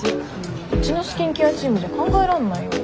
うちのスキンケアチームじゃ考えらんないよ。